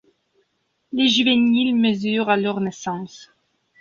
Les juvéniles mesurent à leur naissance.